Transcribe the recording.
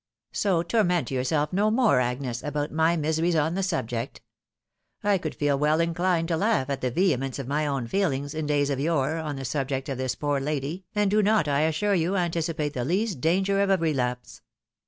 So torment yourself no more, Agnes, about my miseries on the subject. I could feel well inclined to laugh at the vehemence of my own feelings, in days of yore, on the subject of this poor lady, and do not, I assure you, anticipate the least danger of a relapse."